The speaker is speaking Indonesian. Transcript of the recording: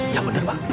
ya bener bang